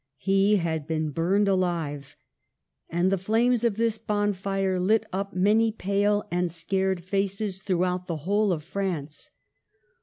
He had been burned alive ; and the flames of this bonfire lit up many pale and scared faces throughout the whole of France.